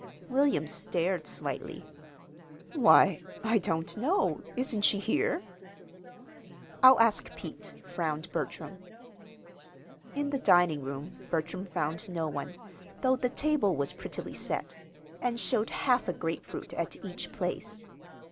William stared slightly. "Why, I don't know. Isn't she here?" "I'll ask Pete," frowned Bertram. In the dining room Bertram found no one, though the table was prettily set, and showed half a grapefruit at each place.